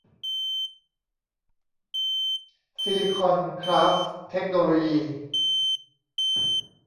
ซิลิคอน คราฟท์ เทคโนโลยี